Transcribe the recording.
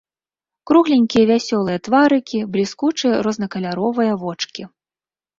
Кругленькія вясёлыя тварыкі, бліскучыя рознакаляровыя вочкі.